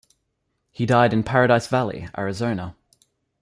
He died in Paradise Valley, Arizona.